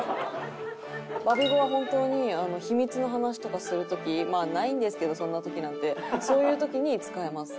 バビ語は本当に秘密の話とかする時まあないんですけどそんな時なんてそういう時に使えます。